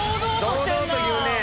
堂々と言うね。